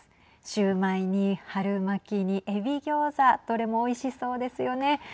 シューマイに春巻きに、えびギョーザどれもおいしそうですよね。